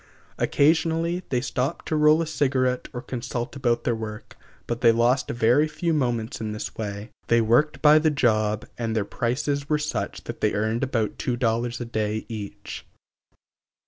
Occasionally they stopped to roll a cigarette or consult about their work, but they lost very few moments in this way. They worked by the job and their prices were such that they earned about two dollars a day each.